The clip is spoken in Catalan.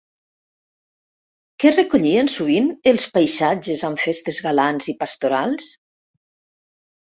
Què recollien sovint els paisatges amb festes galants i pastorals?